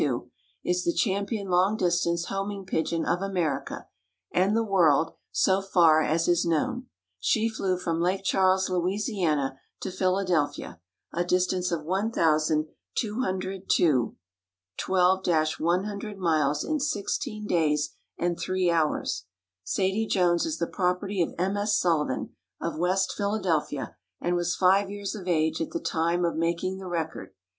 21,392," is the champion long distance homing pigeon of America, and the world, so far as is known. She flew from Lake Charles, Louisiana, to Philadelphia, a distance of 1,202 12 100 miles in 16 days and 3 hours. Sadie Jones is the property of M. S. Sullivan, of West Philadelphia, and was five years of age at the time of making the record.